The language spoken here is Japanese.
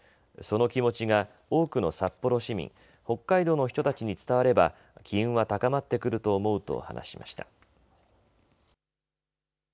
その気持ちが多くの札幌市民、北海道の人たちに伝われば機運は高まってくると思うと話しました。